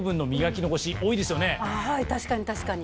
はい確かに確かに。